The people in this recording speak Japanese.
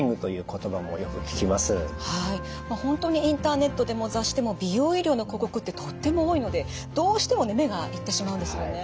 はい本当にインターネットでも雑誌でも美容医療の広告ってとっても多いのでどうしても目が行ってしまうんですよね。